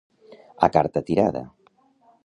A carta tirada.